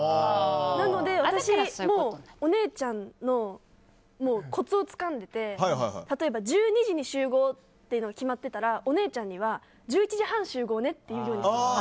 だから私お姉ちゃんのコツをつかんでて例えば１２時に集合っていうのが決まっていたら、お姉ちゃんには１１時半集合ねって言うようにしています。